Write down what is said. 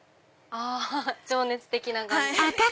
情熱的な感じで。